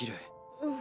うん。